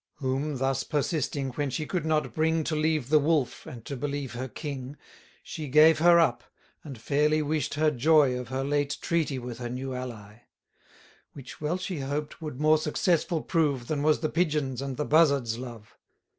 Whom, thus persisting, when she could not bring To leave the Wolf, and to believe her king, She gave her up, and fairly wish'd her joy Of her late treaty with her new ally: Which well she hoped would more successful prove, Than was the Pigeon's and the Buzzard's love.